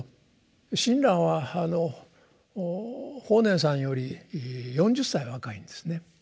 親鸞は法然さんより４０歳若いんですね。